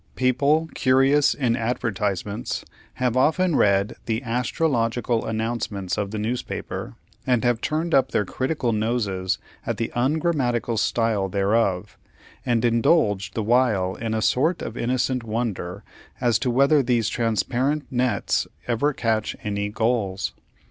People, curious in advertisements, have often read the "Astrological" announcements of the newspapers, and have turned up their critical noses at the ungrammatical style thereof, and indulged the while in a sort of innocent wonder as to whether these transparent nets ever catch any gulls.